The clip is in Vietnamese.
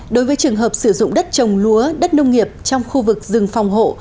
đối với trường hợp sử dụng đất trồng lúa đất nông nghiệp trong khu vực rừng phòng hộ